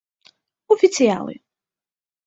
oficiale